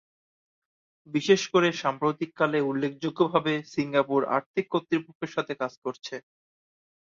বিশেষ করে সাম্প্রতিককালে উল্লেখযোগ্যভাবে সিঙ্গাপুর আর্থিক কর্তৃপক্ষের সাথে কাজ করছে।